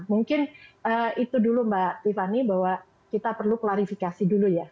mungkin itu dulu mbak tiffany bahwa kita perlu klarifikasi dulu ya